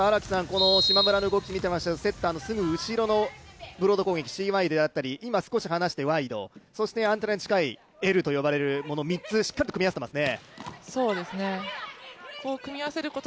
この島村の動きを見ていましてもセッターのすぐ後ろでの動きＣワイドであったり、今少し離してワイド、そしてアンテナに近いＬと呼ばれるもの、３つ、しっかりと組み合わせていますね。